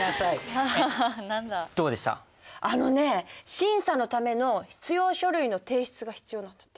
あのね審査のための必要書類の提出が必要なんだって。